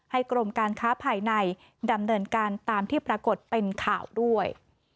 กรมการค้าภายในดำเนินการตามที่ปรากฏเป็นข่าวด้วย